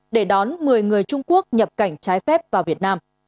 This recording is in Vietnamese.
để đón một mươi người trung quốc nhập cảnh trái phép vào việt nam